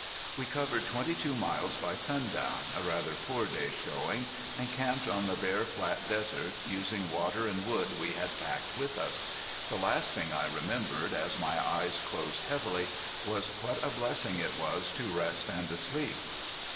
We covered twenty two miles by sundown, a rather poor day's showing; and camped on the bare flat desert, using water and wood we had packed with us. The last thing I remembered, as my eyes closed heavily, was what a blessing it was to rest and to sleep.